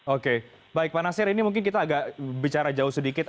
oke baik pak nasir ini mungkin kita agak bicara jauh sedikit